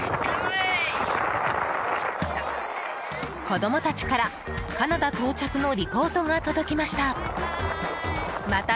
子供たちからカナダ到着のリポートが届きました。